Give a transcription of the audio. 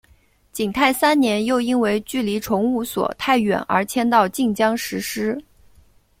景泰三年又因为距离崇武所太远而迁到晋江石狮。